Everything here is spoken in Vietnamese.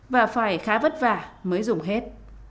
và phải khá vất vả mới dùng hết